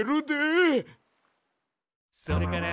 「それから」